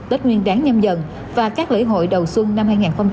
tết nguyên đáng nhâm dần và các lễ hội đầu xuân năm hai nghìn hai mươi bốn